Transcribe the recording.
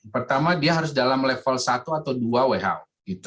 pertama dia harus dalam level satu atau dua who